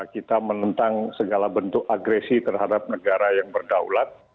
kita menentang segala bentuk agresi terhadap negara yang berdaulat